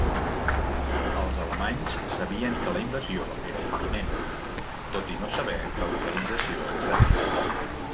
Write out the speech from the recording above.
Els alemanys sabien que la invasió era imminent, tot i no saber la localització exacta.